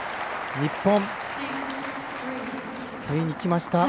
日本、ついにきました。